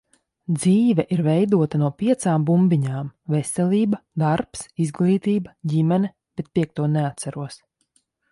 Dzīve ir veidota no piecām bumbiņām - veselība, darbs, izglītība, ģimene, bet piekto neatceros.